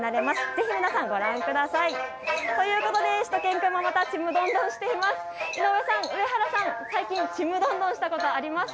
ぜひ皆さん、ご覧ください。ということでしゅと犬くんもまたちむどんどんしています。